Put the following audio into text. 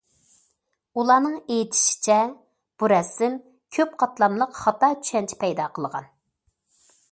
ئۇلارنىڭ ئېيتىشىچە، بۇ رەسىم« كۆپ قاتلاملىق خاتا چۈشەنچە» پەيدا قىلغان.